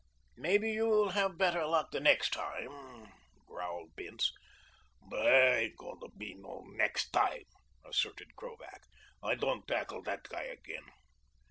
"Maybe you'll have better luck the next time," growled Bince. "There ain't goin' to be no next time," asserted Krovac. "I don't tackle that guy again."